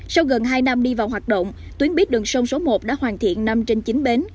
sau gần hai năm đi vào hoạt động tuyến buýt đường sông số một đã hoàn thiện năm trên chín bến